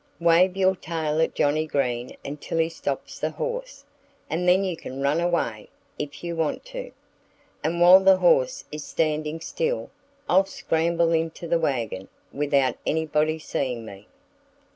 Wave your tail at Johnnie Green until he stops the horse; and then you can run away, if you want to. And while the horse is standing still I'll scramble into the wagon, without anybody seeing me."